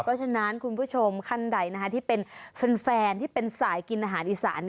เพราะฉะนั้นคุณผู้ชมท่านใดที่เป็นแฟนที่เป็นสายกินอาหารอีสาน